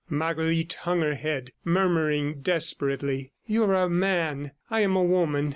Marguerite hung her head, murmuring desperately: "You are a man, I am a woman.